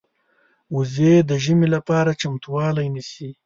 وزې د ژمې لپاره چمتووالی نیسي